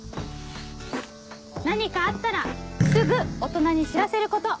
何かあったらすぐ大人に知らせること。